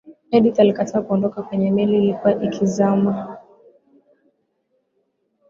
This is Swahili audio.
edith alikataa kuondoka kwenye meli ilikuwa ikizama